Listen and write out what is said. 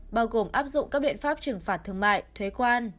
bao gồm áp dụng các biện pháp trừng phạt thương mại thuế quan